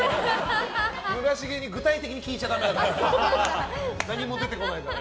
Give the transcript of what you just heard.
村重に具体的に聞いちゃだめだから。